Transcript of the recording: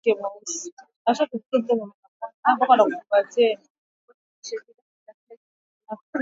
Jackson, mwanamke wa kwanza mweusi kuteuliwa katika kiti cha mahakama ya juu zaidi ya taifa.